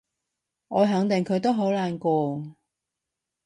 我肯定佢都好難過